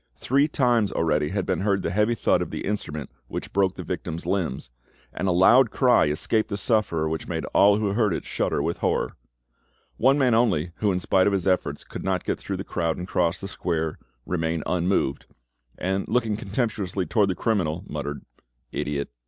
Three times already had been heard the heavy thud of the instrument which broke the victim's limbs, and a loud cry escaped the sufferer which made all who heard it shudder with horror, One man only, who, in spite of all his efforts, could not get through the crowd and cross the square, remained unmoved, and looking contemptuously towards the criminal, muttered, "Idiot!